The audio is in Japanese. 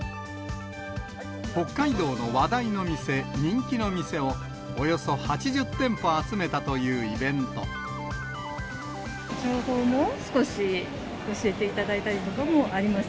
北海道の話題の店、人気の店をおよそ８０店舗集めたというイベント。も少し教えていただいたりとかもあります。